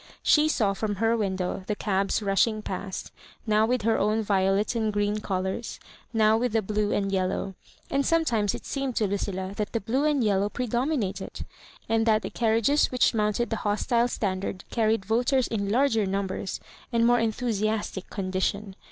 She saw from her window the cabs rushing past, now with her own violet and green colours, now with the blue and yel low. And sometimes it seemed to Ludlla that the blue and yellow predominated, and that the carriages which mounted the hostile standard carried voters in larger numbers and more enthusiastic condition.